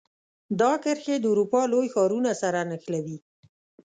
دا کرښې د اروپا لوی ښارونو سره نښلوي.